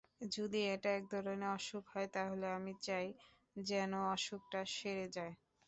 যদি এটা এক ধরনের অসুখ হয়, তাহলে আমি চাই যেন অসুখটা সেরে যায়।